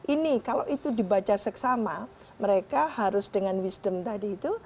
ini kalau itu dibaca seksama mereka harus dengan wisdom tadi itu